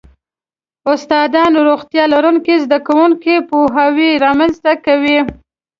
استادان روغتیا لرونکو زده کوونکو کې پوهاوی رامنځته کوي.